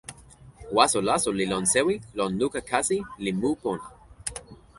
waso laso li lon sewi lon luka kasi li mu pona.